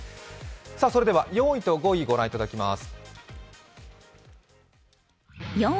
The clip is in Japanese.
それでは、４位と５位、御覧いただきます。